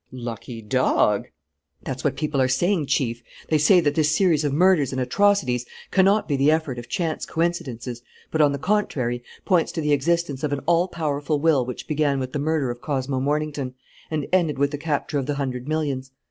"Lucky dog!" "That's what people are saying, Chief. They say that this series of murders and atrocities cannot be the effort of chance coincidences, but, on the contrary, points to the existence of an all powerful will which began with the murder of Cosmo Mornington and ended with the capture of the hundred millions.